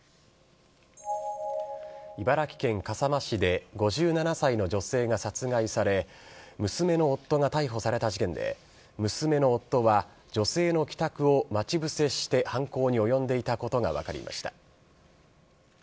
茨城県笠間市で５７歳の女性が殺害され、娘の夫が逮捕された事件で、娘の夫は女性の帰宅を待ち伏せして、犯行に及んでいたことが分かりました。